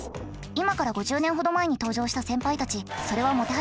今から５０年ほど前に登場した先輩たちそれはもてはやされたそうです。